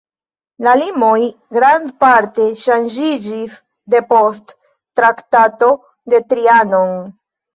La limoj grandparte ŝanĝiĝis depost Traktato de Trianon.